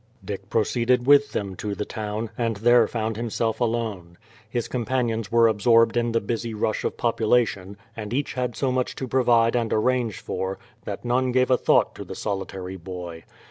Dick proceeded with them to the town, and there found himself alone. His companions were absorbed in the busy rush of population, and each had so much to provide and arrange for, that none gave a thought to the solitary boy.